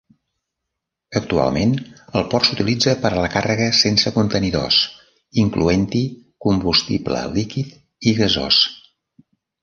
Actualment el port s'utilitza per a la càrrega sense contenidors, incloent-hi combustible líquid i gasós.